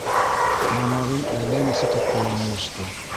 Намаҙын әллә нисә тапҡыр яңылышты.